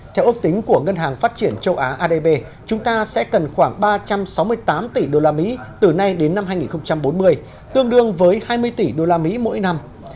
theo ước tính của ngân hàng phát triển châu á adb chúng ta sẽ cần khoảng ba trăm sáu mươi tám tỷ usd từ nay đến năm hai nghìn bốn mươi tương đương với hai mươi tỷ usd mỗi năm